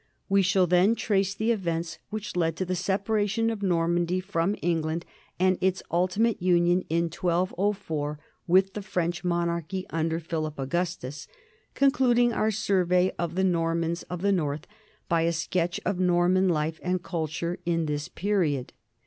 We shall then trace the events which led to the separation of Normandy from England and its ultimate union in 1204 with the French mon archy under Philip Augustus, concluding our survey of the Normans of the north by a sketch of Norman life and culture in this period.